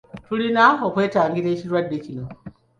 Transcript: Tulina okwetangira ekirwadde kino.